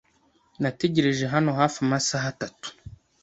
Nategereje hano hafi amasaha atatu.